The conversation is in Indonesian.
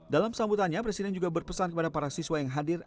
dalam sambutannya presiden juga berpesan kepada para siswa yang hadir